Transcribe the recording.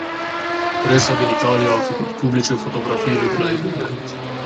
Presa din Italia a făcut publice fotografiile de la eveniment.